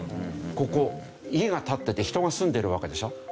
ここ家が立ってて人が住んでるわけでしょ。